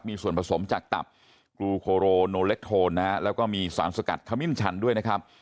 มีส่วนผสมจากตับกลูโคโรโนเล็กโทนนะฮะแล้วก็มีสารสกัดขมิ้นชันด้วยนะครับ